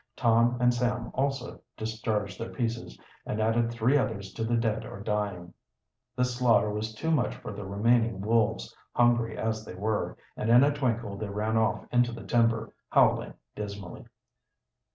Tom and Sam also discharged their pieces, and added three others to the dead or dying. This slaughter was too much for the remaining wolves, hungry as they were, and in a twinkle they ran off into the timber, howling dismally.